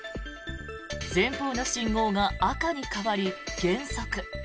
前方の信号が赤に変わり減速。